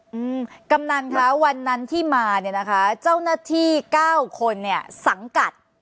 อืมกำนันคะวันนั้นที่มาเนี้ยนะคะเจ้าหน้าที่เก้าคนเนี่ยสังกัด